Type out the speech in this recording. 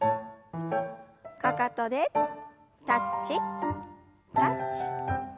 かかとでタッチタッチ。